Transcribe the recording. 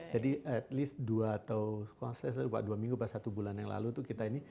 jadi at least dua atau kurang lebih dua minggu pas satu bulan yang lalu itu kita ini